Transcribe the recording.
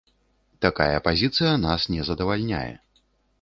Такая пазіцыя нас не задавальняе.